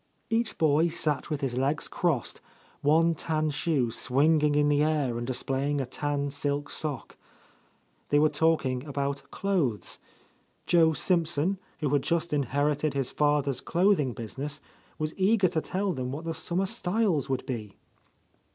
Each boy sat with his legs crossed, one tan shoe swinging in the air and displaying a tan silk sock. They were talk ing about clothes; Joe Simpson, who had just inherited his father's clothing business, was eager to tell them what the summer styles would be.